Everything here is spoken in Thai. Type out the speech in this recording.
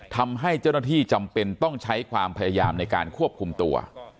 ทำให้เจ้าหน้าที่จำเป็นต้องใช้ความพยายามในการควบคุมตัว